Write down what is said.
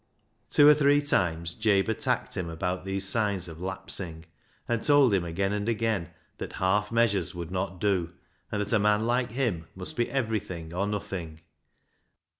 Two or three times Jabe attacked him about these signs of lapsing, and told him again and again that half measures would not do, and that a man like him must be everything or nothing.